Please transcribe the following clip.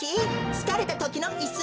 つかれたときのいす。